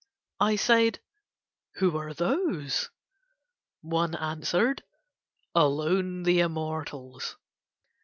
I said: "Who are those?" One answered: "Alone the Immortals."